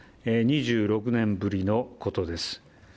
２６年ぶりのことです。